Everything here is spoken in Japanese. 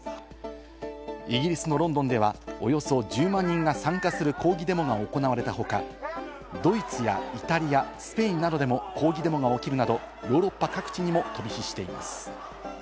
イギリスのロンドンでは、およそ１０万人が参加する抗議デモが行われた他、ドイツやイタリア、スペインなどでも抗議デモが起きるなど、ヨーロッパ各地にも飛び火しています。